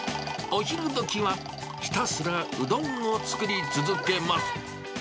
お昼どきはひたすらうどんを作り続けます。